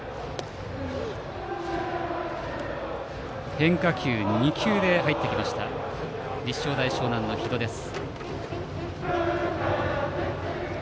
変化球２球で入ってきました立正大淞南の日野です。